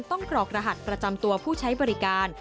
กรกรหัสประจำตัวผู้ใช้บริการ